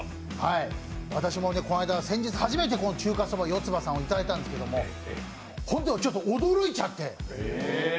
私も先日、初めて中華そば四つ葉さんをいただいたんですけど、本当にちょっと驚いちゃって。